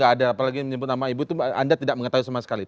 apalagi menyebut nama ibu itu anda tidak mengetahui sama sekali